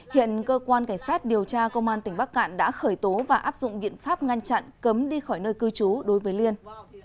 hiện cơ quan cảnh sát điều tra công an tỉnh bắc cạn đã khởi tố và áp dụng biện pháp ngăn chặn cấm đi khỏi nơi cư trú đối với liên